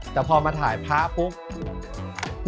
แต่พอมาถ่ายพระปุ๊บ